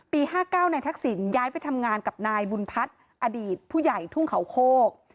๕๙นายทักษิณย้ายไปทำงานกับนายบุญพัฒน์อดีตผู้ใหญ่ทุ่งเขาโคก